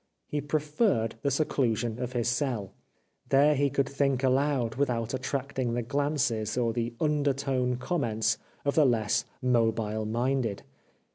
He preferred the seclusion of his cell. There he could think aloud without attracting the glances or the undertone comments of the less mobile minded.